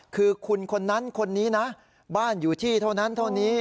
คือคุณคนนั้นคนนี้นะบ้านอยู่ที่เท่านั้นเท่านี้